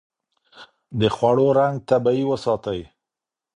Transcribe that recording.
د خوړو رنګ طبيعي وساتئ.